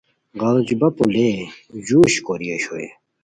غیڑوچی بپو لیے جوش کوری اوشوئے